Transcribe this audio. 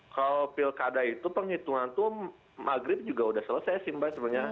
kalau pilkada itu penghitungan itu maghrib juga sudah selesai sih mbak sebenarnya